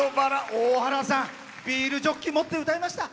大原さん、ビールジョッキ持って歌いました。